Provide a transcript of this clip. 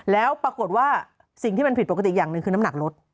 แล้วปรากฏว่าสิ่งที่มันผิดปกติอย่างหนึ่งคือน้ำหนักลด